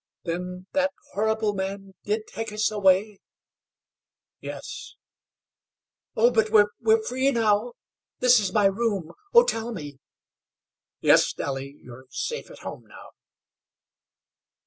"Then that horrible man did take us away?" "Yes." "Oh h! but we're free now? This is my room. Oh, tell me?" "Yes, Nellie, you're safe at home now."